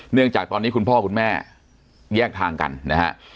เนื่องจากตอนนี้คุณพ่อคุณแม่แยกทางกันนะฮะ